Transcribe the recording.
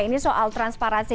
ini soal transparansi